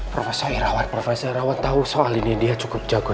prof irawan prof irawan tahu soal ini dia cukup jago